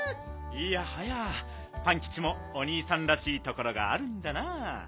いやはやパンキチもおにいさんらしいところがあるんだな。